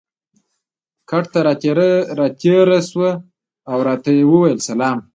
کټ ته را تېره شوه او راته یې وویل: سلام.